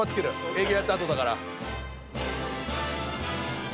営業やった後だから。